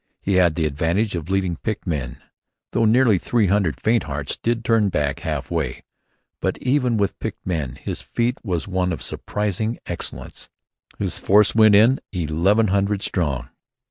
He had the advantage of leading picked men; though nearly three hundred faint hearts did turn back half way. But, even with picked men, his feat was one of surpassing excellence. His force went in eleven hundred strong.